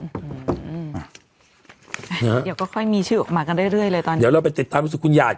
เดี๋ยวก็ค่อยมีชื่อออกมากันเรื่อยเรื่อยเลยตอนนี้เดี๋ยวเราไปติดตามวิสุขุนหญาติ